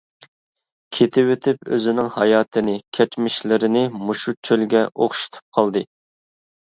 كېتىۋېتىپ ئۆزىنىڭ ھاياتىنى، كەچمىشلىرىنى مۇشۇ چۆلگە ئوخشىتىپ قالدى.